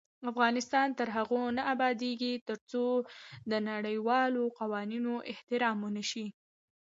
افغانستان تر هغو نه ابادیږي، ترڅو د نړیوالو قوانینو احترام ونشي.